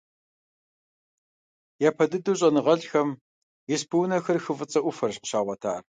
Япэ дыдэу щIэныгъэлIхэм испы унэхэр хы ФIыцIэ Iуфэрщ къыщагъуэтар.